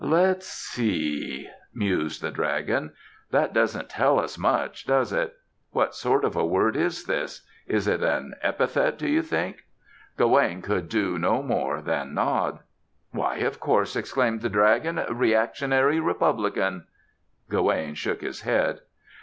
"Let's see," mused the dragon, "that doesn't tell us much, does it? What sort of a word is this? Is it an epithet, do you think?" Gawaine could do no more than nod. "Why, of course," exclaimed the dragon, "reactionary Republican." Gawaine shook his head.